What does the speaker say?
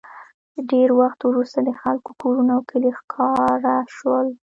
ډېر وخت وروسته د خلکو کورونه او کلي ښکاره شول